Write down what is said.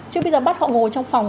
chứ bây giờ bắt họ ngồi trong phòng